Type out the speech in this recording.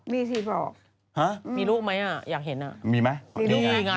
มีทีบอกมีลูกไหมอะอยากเห็นอะมีไหม